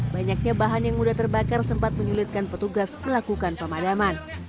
banyaknya bahan yang mudah terbakar sempat menyulitkan petugas melakukan pemadaman